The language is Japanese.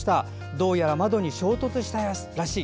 どうやら窓に衝突したらしい。